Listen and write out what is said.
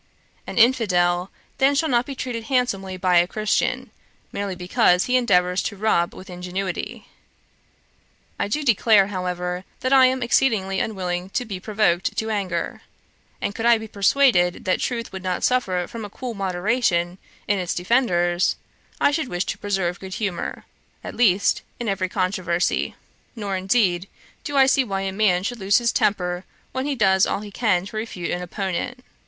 An infidel then shall not be treated handsomely by a Christian, merely because he endeavours to rob with ingenuity. I do declare, however, that I am exceedingly unwilling to be provoked to anger, and could I be persuaded that truth would not suffer from a cool moderation in its defenders, I should wish to preserve good humour, at least, in every controversy; nor, indeed, do I see why a man should lose his temper while he does all he can to refute an opponent.